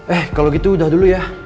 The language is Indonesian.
eh kalau gitu udah dulu ya